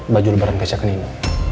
baju lebaran kecekan ini